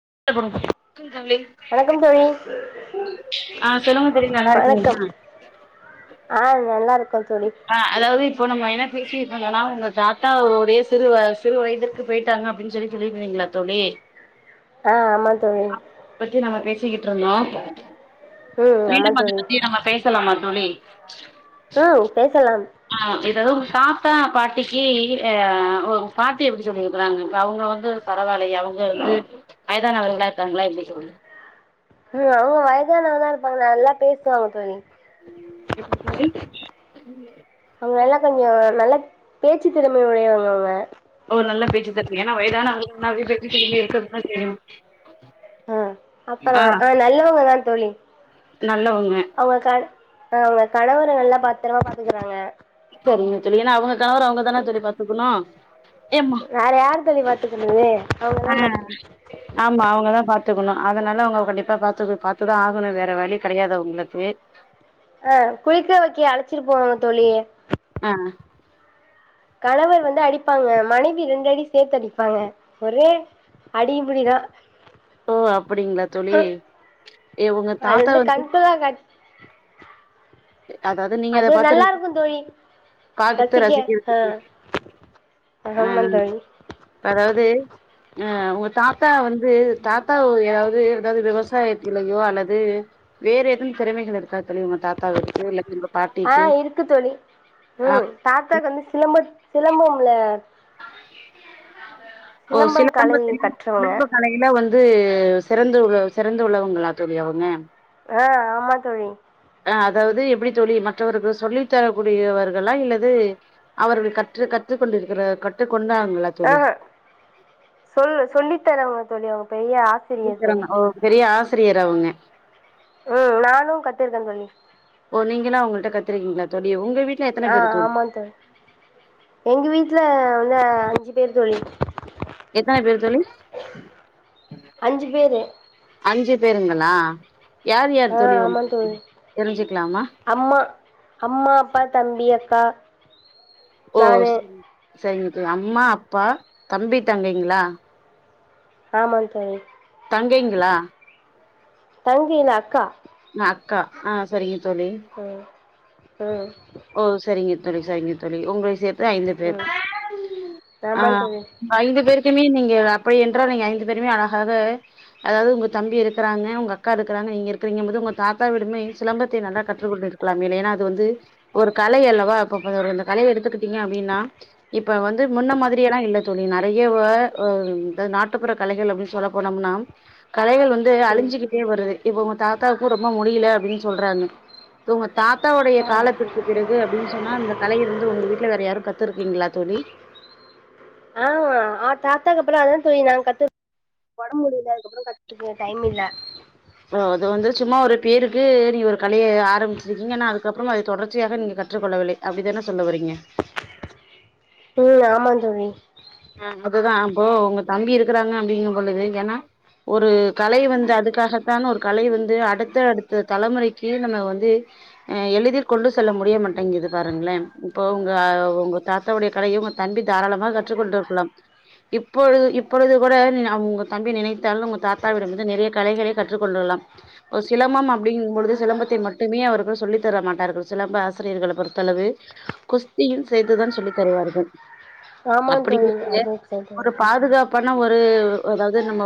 [inaudible] வணக்கம் தோழி ஆஹ் சொல்லுங்க தோழி நல்லா வணக்கம் இருக்கீங்ளா ஆ நல்லா இருக் ஆ அதாவ்து இப்ப நம்ம என்ன பேசிட் இவ்ங்ளலா உங்க தாத்தாவோடே சிறு வ சிறு வயதிற்கு போயிட்டாங்க அப்டின் சொல்லி சொல்லிட்றீங்ளா தோழி ஆ ஆமா தோழி தூங்கிட்ருந்தோ ம் ஆமா மீண்டும் அத தோழி பத்தியே நம்ம பேசலாமா தோழி உம் பேசலாம் ஆ எதாவ்து உங் தாத்தா பாட்டிக்கி ஆ ஒரு ம் பாட்டிய பத்தி சொல்லியிருக்றாங்க இப்ப அவ்ங்க வந்து பரவாலையே அவ்ங்க வந்து வயதானவர்களா இருக்காங்ளா எப்டி சொல்ல உம் அவ்ங்க வயதானவதா இருப்பாங்க நல்லா பேஸ்வாங்க தோழி எப்டி தோழி அவங்க நல்லா கொஞ்சோ நல்லா பேச்சு திறமை உடையவ்ங்க அவ்ங்க ஒரு நல்ல பேச்சு தெரிது ஏனா வயதான ஆளுங்னா வீட்டுக்கு வீட்டுக்குள்ளே இருக்றதுக்குதா கேக்குறோ ஆ அப்பறோம் ஆ நல்லவ்ங்க தா தோழி நல்லவங்க அவங்க க ஆ அவ்ங்க கணவரு நல்லா பத்தரமா பாத்துக்குறாங்க செரிங்க தோழி ஏனா அவ்ங்க தாது அவ்ங்கதான தோழி பாத்துக்குணு வேற யாரு தோழி பாத்துக்குறது அவ்ங்கதா பாத்துக் த்துக்கணு அதனால அவ்ங்க கண்டிப்பா பாத்தது பாத்துதா ஆகனு வேற வழி கெடையாது அவ்ங்களுக்கு அஹ் குளிக்க வக்கெ அழச்சிட்டு போவே தோழி அ கணவர் வந்து அடிப்பாங்க மனைவி ரெண்டடி சேர்த்து அடிப்பாங்க ஒரே அடிபுடிதா ஓ அப்படிங்களா தோழி ஏ உங்க அது தாத்தா வந்து கண்கொள்ளா [inaudible] அதாவது நீங்க அத அது பார்த்து நல்லா ரசிக்க இருக்கு தோழி பாத்து ரசிக்க ஆ ரசிக்கரத்துக்கு ஆமா ஆஹ் தோழி அதாவது அஹ் உங்க தாத்தா வந்து தாத்தா ஏதாவது ஏதாவது விவசாயத்துலையோ அல்லது வேற எதவும் திறமைகள் இருக்குதா தோழி உங்க தாத்தாவுக் [unintelligible] ஆஹ் இருக்கு தோழி ஆ உம் தாத்தாக்கு வந்து சிலம்ப சிலம்பம்ல ஓ சிலம்பம் கலைய சிலம்பத்துல கற்றவங்க சிலம்ப கலையில வந்து சிறந்து சிறந்து உள்ளவங்கள தோழி அவங்க ஆஹ் ஆமா தோழி அதாவது எப்படி தோழி மற்றவர்கள் சொல்லித்தரக்கூடியவர்களா இல்லது அவர்கள் கற்று கற்றுக்கொண்டிருக்கிற க ஆஹ சொல்லு சொல்லி தரவங்க தோழி அவங்க பெரிய ஆசிரியர் தோழி [unintelligible] ஓ பெரிய ஆ ஆசிரியர் அவங்க உம் நானும் கத்திருக்கேன் தோழி இருக்கீங்களா தோழி உங்க வீட்ல எத்தன பேரு ஆஹ் ஆமா தோழி எங்க வீட்டுல எ அஞ்சு பேர் தோழி எத்தனை பேர் தோழி அஞ்சு பேரு அஞ்சு பேருங்களா யார் யார் ஆஹ் தோழி உங் ஆம தோழி தெரிஞ்சுக்கலாமா அம்மா அம்மா அப்பா தம்பி அக்கா ஓ நானு சரிங் சரிங்க அம்மா அப்பா தம்பி தங்கைங்களா ஆமா தோழி தங்கைங்களா தம்பில அக்கா அக்கா ஆஹ் சரிங்க தோழி ம் ம் ஓ சரிங்க தோழி சரிங்க தோழி உங்களை சேர்த்த ஐந்து பேரு ம் ஆமா ஆஹ் தோழி ஐந்து பேருக்குமே நீங்க அப்படி என்றால் நீங்க ஐந்து பேருமே அழகாக அதாவது உங்க தம்பி இருக்கிறாங்க உங்க அக்கா இருக்கிறாங்க நீங்க இருக்கிறீங்க போது உங்க தாத்தா விடுமே சிலம்பத்தை நல்லா கற்றுக்கொண்டுருக்கலாமே இ ஏன்னா அது வந்து ஒரு கலை அல்லவா இப்ப இந்த கலையை எடுத்துக்கிட்டீங்க அப்படின்னா இப்ப வந்து முன்ன மாதிரிய எல்லாம் இல்ல தோழி நிறையா நாட்டுப்புற கலைகள் அப்படின்னு சொல்ல போனோம்னா கலைகள் வந்து வந்து ம் அழிஞ்சுக்கிட்டே வருது இப்ப உங்க தாத்தாவுக்கு ரொம்ப முடியல அப்படின்னு சொல்றாங்க உங்க தாத்தாவுடைய ஆ காலத்திற் க்கு பிறகு அப்படின்னு சொன்னா இந்தந்த கலைய வந்து உங்க வீட்ல வேற யாரும் கத்துருக்கீங்களா தோழி ஆ ஆ தாத்தாகப்புறம் அததான் தோழி நாங்க கத்து உடம்ப முடியல அதுக்கப்புறம் கத் அக்கு டைம் இல்ல ஆ அது வந்து சும்மா ஒரு பேருக்கு நீ ஒரு கலையை ஆரம்பிச்சிருக்கீங்க ஆன்னா அதுக்கப்புறம் அதை தொடர்ச்சியாக நீங்க கற்றுக்கொள்ளவில்லை அப்படித்தானே சொல்ல வறீங்க ம் ஆமா தோழி அதுதான் அப்போ உங்க தம்பி இருக்கிறாங்க அப்படிங்க பொழுது ஏன்னா ஒரு கலை வந்து அதுக்காகத்தான் ஒரு கலை வந்து அடுத்த அடுத்த தலைமுறைக்கு நம்ம வந்து ஆ எளிதில் கொண்டு செல்ல முடிய மாட்டேங்குது பாருங்களேன் இப்போ உங்க உங்க தாத்தாவுடைய கலையை உங்க தம்பி தாராளமாக கற்றுக்கொண்டு லாம் இப்பொழுது இப்பொழுது கூட உங்க தம்பி நினைத்தாலும் உங்க தாத்தாவிடம் இருந்து நிறைய கலைகளை கற்றுக்கொண்டுள்ளலாம் இ சிலம்பம் அப்படிங்கும் பொழுது சிலம்பத்தை மட்டுமே அவர்கள் சொல்லி தர மாட்டார்கள் சிலம்ப ஆசிரியர்களை பொறுத்தளவு குஸ்தியின் சேத்துதான் சொல்லி தருவார்கள் ஆமா அப்படி தோழி அது சரி தோழி ஒரு பாதுகாப்ப ஒரு அதாவது நம்ம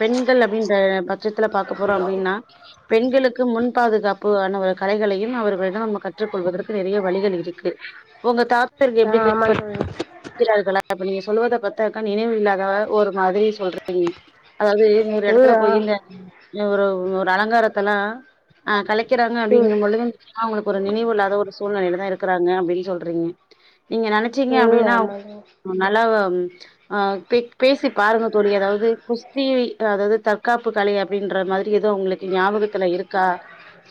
பெண்கள் அப்படின்ற பட்சத்துல பார்க்க போறோம் அப்படின்னா பெண்களுக்கு முன் பாதுகாப்பு ஆன ஒரு கலைகளையும் அவர்களிடம் நம்ம கற்றுக்கொள்வதற்கு நிறைய வழிகள் இருக்கு உங்க தா ஆ ஆமா தோழி இருக்கிறார்களா அப்ப நீங்க சொல்லுவதை பத்தாக்கா நினைவு இல்லாத ஒரு மாதிரி சொல்றீங்க அதாவது ஒரு ம் எடத்துல ஆ போயீ இந்த ஒரு ஒரு அலங்காரத்த எல்லாம் ஆ கலைக்கிறாங்க அப்படிங்க ம் பொழுதும் அவங்களுக்கு ஒரு நினைவு இல்லாத ஒரு சூழ்நிலையிலதான் இருக்கிறாங்க அப்படின்னு சொல்றீங்க நீங்க நினைச்சீங்க ம் அப்படின்னா ஆமா தோழி நல்லா ஆ பே பேசி பாருங்க தோழி அதாவது குஸ்தி அதாவது தற்காப்பு கலை அப்படின்ற மாதிரி ஏதோ உங்களுக்கு ஞாபகத்துல இருக்கா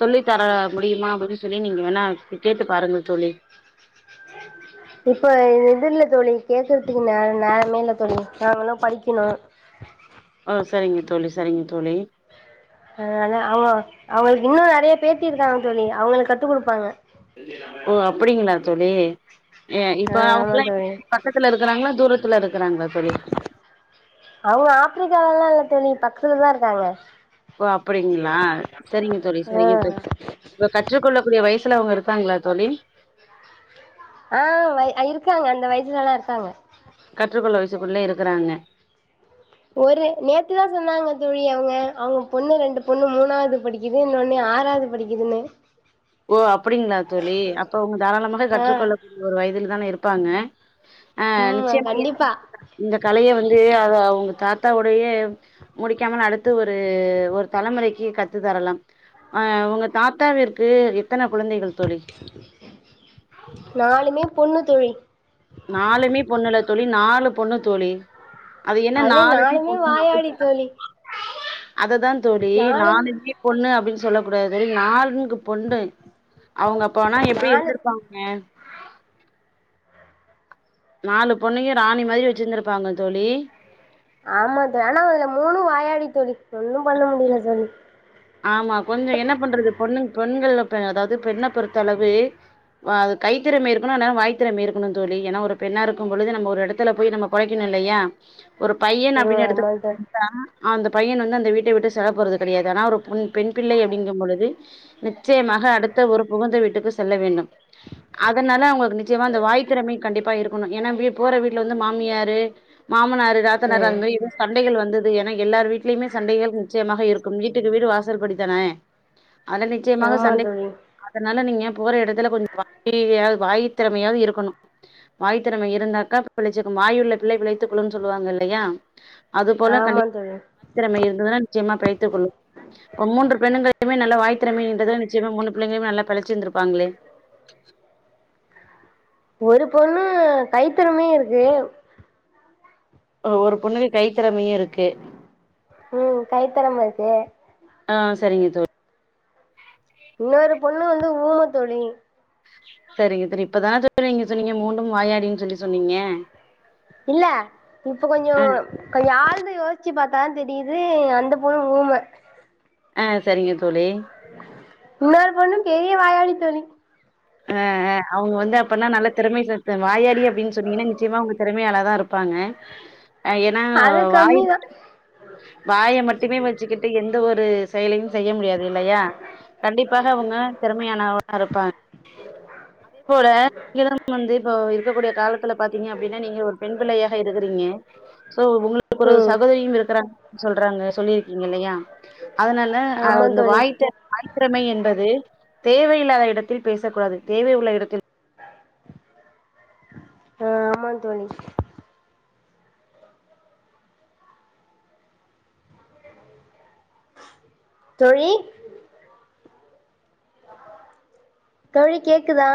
சொல்லி தர முடியுமா அப்படின்னு சொல்லி நீங்க வேணா கேட்டு பாருங்க தோழி இப்ப இது இல்ல தொழி கேக்குறதுக்கு நே நேரமே இல்ல தொழி நாங்களும் படிக்கணும் ஓ சரிங்க தோழி சரிங்க தோழி அதனால அவங்க அவங்களுக்கு இன்னும் நறைய பேத்தி இருக்காங்க சொல்லி அவங்களுக்கு கத்து கொடுப்பாங்க ஓ அப்படிங்களா தோழி ஏ ஆ இப்ப ஆமா அவங்கல்லாம் தோழி பக்கத்துல இருக்கிறாங்களா தூரத்துல இருக்கிறாங்களா தோழி த்துலதான் இருக்காங்க ஓ அப்படிங்களா ஆ கற்றுக்கொள்ளக்க கூடிய வயசுல அவங்க இருக்காங்களா தோழி ஆஹ் இருக்காங்க அந்த வயசுல எல்லாம் இருக்காங்க கற்றுக்கொள்ள வ க்குள்ள இருக்கிறாங்க ஒரு நேத்துதான் சொன்னாங்க தோழி அவங்க அவங்க பொண்ணு ரெண்டு பொண்ணு மூணாவது படிக்குது இன்னொண்ணு ஆறாவது படிக்குதுன்னு ஓ அப்படிங்களா தோழி அப்ப அவங்க தாராளமாக ஆ கற்றுக்கொள்ளக்கூடிய ஒரு வயதில் தான இருப்பாங்க ஆ ம் நிச்சயமா கண்டிப்பா [unintelligible] இந்த கலைய வந்து அத அவங்க தாத்தாவடையே முடிக்காமல் அடுத்து ஒரு ஒரு தலைமுறைக்கு கத்து தரலாம் ஆ உங்க தாத்தாவிற்கு வந்து எத்தனை குழந்தைகள் தோழி நாலுமே பொண்ணு தொழில் நாலுமே பொண்ணுல்ல தோழி நாலு பொண்ணு தோழி அது என்ன அதுலயு நாலுமே பொண்ணு அப்படி வாயாடி சொல்ல தோழி அது தா தோழி நாலு [inaudible] பொண்ணு அப்டின் சொல்லக்கூடாது நால்ங்கு பொண்டு அவங்க அப் போனா எப்டி நாலு இருந்திருப்பாங்க நாலு பொண்ணயு ராணி மாரி வெச்சிருந்திருப்பாங்க தோழி ஆமா த ஆனா அதுல மூணு வாயாடி தோழி ஒன்னு பண்ண முடியல தோழி ஆமா கொஞ்சோ என்ன பண்றது பொண்ணுங் பொண்ணுங்கள்ள ப அதாவது பெண்ண பொறுத்தளவு அது கைத்திறமை இருக்கணு இல்லானா வாய் திறமை இருக்கணு தோழி ஏன்னா ஒரு பெண்ணா இருக்கும் பொழுது நம்ம ஒரு எடத்துல போய் நம்ம பொழைக்கணு இல்லையா ஒரு பையன் ம் அப்டின்னு ஆமா எடுத்துக்கிட்டோ தோழி [unintelligible] அந்த பையன் வந்து அந் வீட்டை விட்டு செல்ல போறது கிடையாது ஆனா ஒரு உன் பெண் பிள்ளை அப்படிங்கும் பொழுது நிச்சயமாக அடுத்த ஒரு புகுந்த வீட்டுக்கு செல்ல வேண்டும் அதனால அவங்களுக்கு நிச்சயமா அந்த வாய் திறமை கண்டிப்பா இருக்கணு ஏன்னா வி போற வீட்டுல வந்து மாமியாரு மாமனாரு நாத்தனாரு ம் அந்த மாரி எதுவு சண்டைகள் வந்தது ஏன எல்லார் வீட்டிலுமே சண்டைகள் நிச்சயமாக இருக்கும் வீட்டுக்கு வீடு வாச சல் படித்தானே அது நிச்சயமாக ஆமா சண்டைகள் தோழி அதனால நீங்க போற எடத்துல கொஞ்சம் வாய வாய் திறமையாவது இருக்கணும் வாய் திறமை இருந்தாக்க பிழைச்சுக்கும் வாயுள்ள பிள்ளை பிழை ச்சுக்குனு சொல்லுவாங்க இல்லையா அதுபோல ஆமா கண்டிப்பா தோழி [inaudible] வாய் திறமை இருந்துச்சுனா நிச்சயமா பிழை த்து கொள்ளும் இப்ப மூன்று பெண்ணுகளுக்குமே நல்ல வாய்த்திறமைன்றது நிச்சயமா மூணு பிள்ளைங்களையு நல்லா பெழச்சிருந்திருப்பாங்களே ஒரு பொண்ணு கைத்திறமயே இருக்கு ஒரு பொண்ணுக்கு கைத்திறமையு இருக்கு உம் கைத்தெறம இருக்கு ஆ சரிங்க தோ இன்னொரு பொண்ணு வந்து ஊம தோழி சரிங்க தரி இப்பதானே தோழி நீங்க சொன்னீங்க மூண்டும் வாயாடினு சொல்லி சொன்னீங்க இல்ல இப்ப கொஞ்சோ ஆ கொஞ்சோ ஆள் த்து யோசிச்சு பாத்தான் தெரியுது அந்த பொண்ணு ஊம ஆஹ் செரிங்க [unintelligible] இன்னொரு பொண்னும் பெரிய வாயாடி தோழி அஹ் அஹ் அவங்க வந்து அப்பனா நல்லா திறமை செலுத்து வாயாடி அப்படின்னு சொன்னீங்கன்னா நிச்சயமா அவங்க திறமையால தான் இருப்பாங்க ஹ் ஏன்னா அது வாய ம கம்மிதா வாயை மட்டுமே வச்சுக்கிட்டு எந்த ஒரு செயலையும் செய்ய முடியாது இல்லையா கண்டிப்பாக அவங்க திறமையானவர்ரா இருப்பாங்க அதே போல நீங்களம் வந்து இப்போ இருக்கக்கூடிய காலத்துல பாத்தீங்க அப்படின்னா நீங்க ஒரு பெண் பிள்ளையாக இருக்கறீங்க சோ உங்களுக்கு ஒரு ம் சகோதரியும் இருக்கிறாங்க சொல்றாங்க சொல்லியிருக்கீங்க இல்லையா அதனால அஹ் ஆமா அந்த தோழி வாய்த்த வாய் திறமை என்பது தேவையில்லாத இடத்தில் பேசகூடாது தேவை உள்ள இடத்தில் ஆஹ் ஆமா தோழி தோழி தோழி கேக்குதா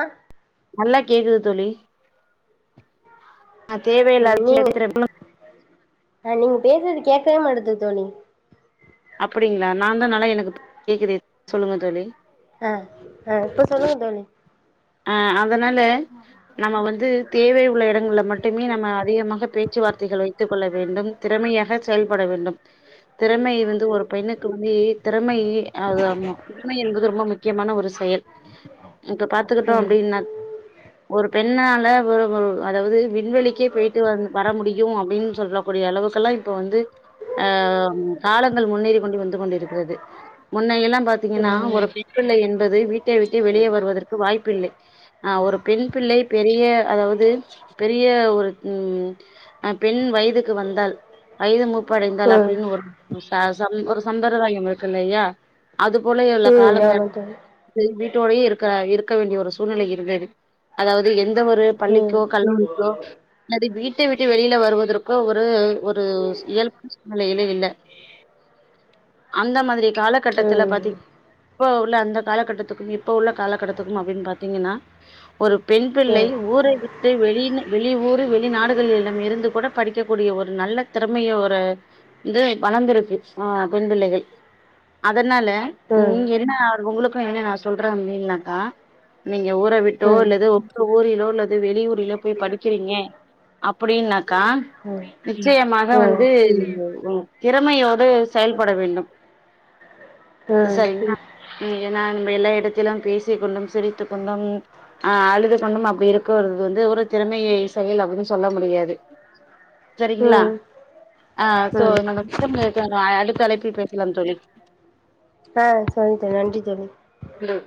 நல்லா கேக்குது தோழி அ தேவையில்லா விஷ்யங் கேக்குறப்போ அ நீங்க பேசுறது கேக்கவே மாட்டது தோனி அப்புடிங்களா நான்த நாளே எனக்கு கேக்குது சொல்லுங்க தோழி அ ஆ இப்ப சொல்லுங்க தோழி அ அம் அதனால நம்ம வந்து தேவை உள்ள எடங்கல்ல மட்டுமே நம்ம அதிகமாக பேச்சுவார்த் [unintelligible] வைத்துக் கொள்ள வேண்டும் திறமையாக செயல்பட வேண்டும் திறமை இருந்தும் ஒரு பெண்ணுக்கு வந்து திறமை அது ஆமா திறமை என்பது ரொம்ப முக்கியமான ஒரு செயல், இப்ப பா த்துக்கிட்டோ ம் அப்டின்னா ஒரு பெண் பெண்ணால ஒ ஒரு அதாவது விண்வெளிக்கே போயிட்டு வ வர முடியு அப்டின்னு சொல்லக்கூடிய அளவுக்கு எல்லா இப்ப வந்து அ காலங்கள் முன்னேறி கொண்டு வந்து கொண்டு இருக்கிறது முன்ன எல்லாம் பாத்தீங்கனா ம் ஒரு பெண்பிள்ளை என் பது வீட்டை விட்டு வெளியே வருவதற் க்கு வாய்ப்பில்லை ஆ ஒரு பெண் பிள்ளை பெரிய அதாவது பெரிய ஒரு ம் பெண் வயதுக்கு வந்தால் வயது மூப் படைந்தால் ம் அப்படின்னு ஒரு ச சம் ஒரு சம்பரதாயம் இருக்கு இல்லையா அது போல உள்ள ம் காலங்கள் ஆமா தோழி வீட்டு உள்ளயே இருக் க இரு க்க வேண்டிய ஒரு சூழ்நிலை இருந்தது அதாவது எந் த ஒரு ம் பள்ளிக்கோ கல்வி க்கோ அல்லது வீட்டை விட்டு வெளியில வருவதற்கு ஒரு ஒரு இயல்பான சூழ்நிலையிலே இல்ல அந்த மாதிரி ம் ம் ம் ம் ம் ம் காலகட்டத்துல பாத்தீங் இப்ப உள்ள அந்த காலகட்டத்துக்கு இப்ப உள்ள காலகட்டத்து க்கு அப்டின்னு பாத்தீங்கனா ஒரு பெண் பிள்ளை ஊரை விடுத்து வெளில வெளி ஊரு வெளிநாடுகள் எல்லா இருந்து கூட படிக்கக்க கூடிய ஒரு நல்ல திறமைய ஒரு வந்து வளந்திருக்கு ஆ பெண் பிள்ளைகள் அதனால ம், இங்க என்ன ஒங்களுக்கு என்ன நா சொல்றே அப்டின்னாக்கா நீங்க ஊர விட்டோ அல்லது ஊரிலோ அல்லது வெளியூரிலோ போய் படிக்கிறீங்க அப்டின்னாக்கா நிச்சயமாக வந்து ஒங் திறமையோடு செயல்பட வேண்டும் ம் ம் சரிங்களா ம் ஏன்னா நம்ம எல்லா எடத்திலும் பேசிக் கொண்டும் சிரித்துக் கொண்டும் ஆ அழுது கொண்டும் அப்டி இருக்கறது வந்து ஒரு திறமைைய செயல் அப்டின்னு சொல்ல முடியாது சரிங்களா ஆ சோ ம் நம்ம திறமைகள் அடுத்த அழைப்பில் பேசலாம் தோழி ஆ சொல்ட்ட நன்றி தோழி தோழி